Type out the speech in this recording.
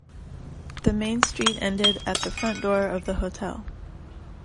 The main street ended at the front door of the hotel.